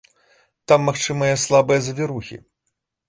Там магчымыя слабыя завірухі.